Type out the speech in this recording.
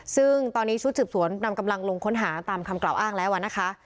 ซึ่งตอนนี้ชุดสืบสวนนำกำลังลงค้นหาตามคำกล่าวอ้างแล้วนะคะ